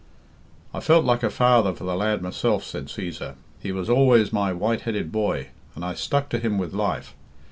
"I felt like a father for the lad myself," said Cæsar, "he was always my white headed boy, and I stuck to him with life.